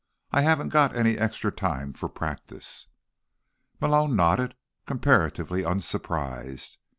I haven't got any extra time for practice." Malone nodded, comparatively unsurprised.